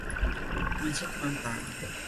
มาเช็กความต่าง